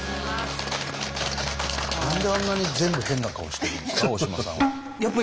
何であんなに全部変な顔してるんですか？